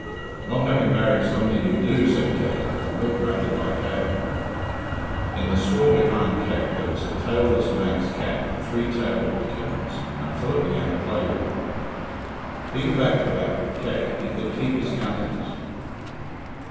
"Not having married somebody you do," said Kate, and the milk rattled like hail. In the straw behind. Kate there was a tailless Manx cat with three tailed kittens, and Philip began to play with them. Being back to back with Kate, he could keep his countenance.